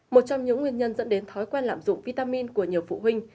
một trong những nguyên nhân dẫn đến thói quen lạm dụng vitamin của nhiều phụ huynh